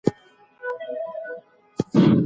ویروسونه د هوا له لارې خپریږي.